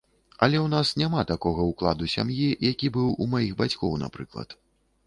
Але ў нас няма такога ўкладу ў сям'і, які быў у маіх бацькоў, напрыклад.